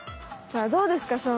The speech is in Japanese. さあどうですか？